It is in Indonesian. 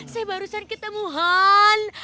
saya barusan ketemu han